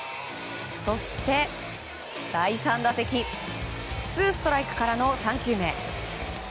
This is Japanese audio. そして、第３打席ツーストライクからの３球目。